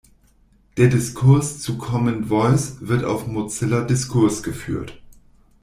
Der Diskurs zu Common Voice wird auf Mozilla Discourse geführt.